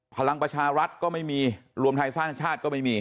พลังประชารัฐก็ไม่มีรวมไทยสร้างชาติก็ไม่มี